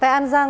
tại an giang